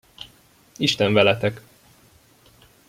Isten veletek!